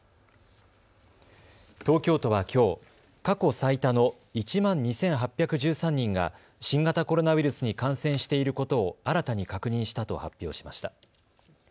東京都はきょう過去最多の１万２８１３人が、新型コロナウイルスに感染していることを新たに確認したと発表しました。